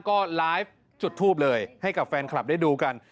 ก็ไลฟ์จุดทูปเลยให้กับแฟนคลับได้ดูกัน